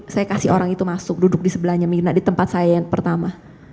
saya kasih orang itu masuk duduk di sebelahnya mirna di tempat saya yang pertama